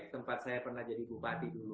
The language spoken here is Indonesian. tempat saya pernah jadi bupati dulu